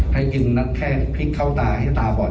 ใครกินนักแค่พริกเข้าตาให้ตาปอด